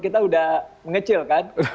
kita udah mengecil kan